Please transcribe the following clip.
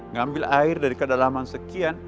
ngambil air dari kedalaman sekian